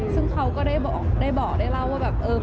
ซึ่งเขาก็ได้บอกได้เล่าว่าแบบเออ